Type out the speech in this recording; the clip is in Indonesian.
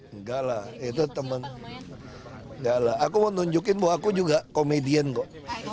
enggak lah itu teman enggak lah aku mau nunjukin bahwa aku juga komedian kok